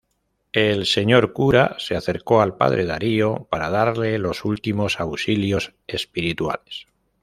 El señor cura se acercó al padre Darío para darle los últimos auxilios espirituales.